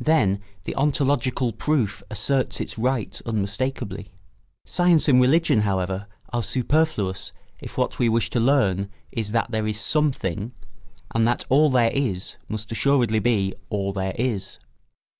Then the ontological proof asserts its rights unmistakably. Science and religion, however, are superfluous if what we wish to learn is that there is Something, and that All there is must assuredly be All there is.